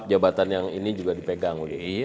di jabatan yang ini juga di pegang